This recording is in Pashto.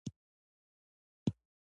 آیا ایران د کتاب چاپولو کې مخکې نه دی؟